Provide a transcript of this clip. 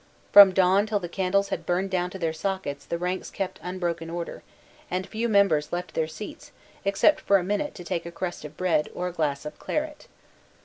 From dawn till the candles had burned down to their sockets the ranks kept unbroken order; and few members left their seats except for a minute to take a crust of bread or a glass of claret.